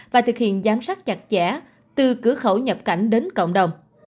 và thực hiện giám sát chặt chẽ từ cửa khẩu nhập cảnh đến cộng đồng